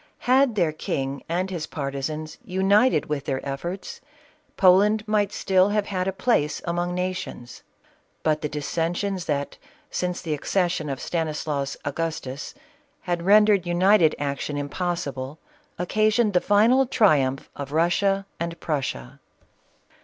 Had their king and his partisans united with their efforts, Poland might still have had a place among nations ; but the dissensions that, since the accession of Stanislaus Agustus, had rendered united action im possible, occasioned the final triumph of Russia and Prussia.